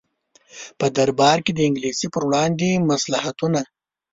په دربار کې د انګلیس پر وړاندې مصلحتونه.